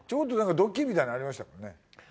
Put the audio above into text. みたいなのありましたもんね。